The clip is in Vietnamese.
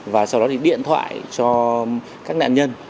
và sau đó thì điện thoại cho các nạn nhân